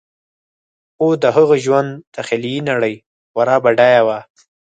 خو د هغه د ژوند تخیلي نړۍ خورا بډایه وه